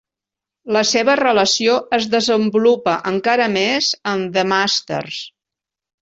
La seva relació es desenvolupa encara més en "The Masters".